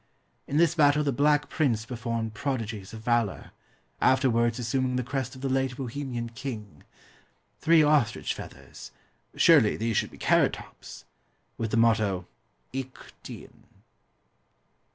In this battle the Black Prince performed prodigies of valour, afterwards assuming the crest of the late Bohemian King three ostrich feathers (surely these should be carrot tops?) with the motto "Ich Dien."